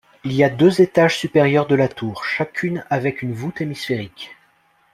Il y a deux étages supérieurs de la tour, chacune avec une voûte hémisphérique.